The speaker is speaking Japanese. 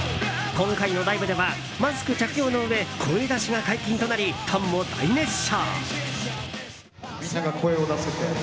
今回のライブではマスク着用のうえ声出しが解禁となりファンも大熱唱。